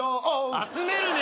集めるね！